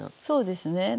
そうですね。